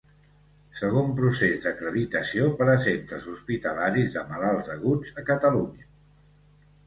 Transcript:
Segon procés d'acreditació per a centres hospitalaris de malalts aguts a Catalunya.